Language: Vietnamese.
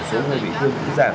số người bị thương giảm